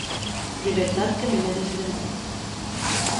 De vertat que me n’è desbrembat.